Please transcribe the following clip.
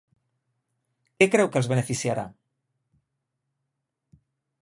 Què creu que els beneficiarà?